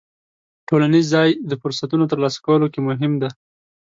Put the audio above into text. ټولنیز ځای د فرصتونو ترلاسه کولو کې مهم دی.